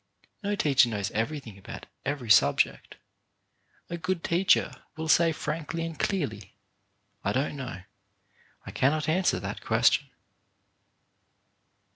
No teacher knows everything about 6 CHARACTER BUILDING every subject. A good teacher will say frankly and clearly, "I don't know. I cannot answer that question."